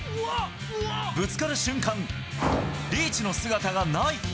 ぶつかる瞬間、リーチの姿がない。